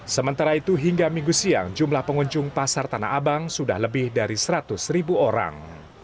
sementara itu hingga minggu siang jumlah pengunjung pasar tanah abang sudah lebih dari seratus ribu orang